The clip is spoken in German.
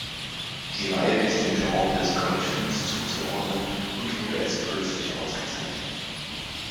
Die Reihe ist dem Genre des College-Films zuzuordnen und wurde erst kürzlich ausgezeichnet.